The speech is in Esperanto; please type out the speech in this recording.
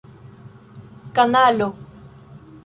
kanalo